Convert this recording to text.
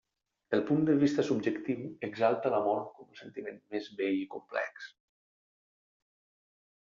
El punt de vista subjectiu exalta l'amor com el sentiment més bell i complex.